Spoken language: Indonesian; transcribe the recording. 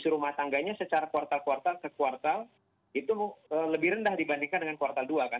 rumah tangganya secara kuartal kuartal ke kuartal itu lebih rendah dibandingkan dengan kuartal dua kan